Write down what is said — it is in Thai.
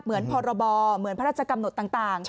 พรบเหมือนพระราชกำหนดต่าง